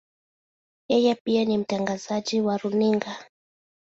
Yeye pia ni mtangazaji wa runinga.